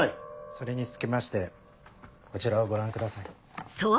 それにつきましてこちらをご覧ください。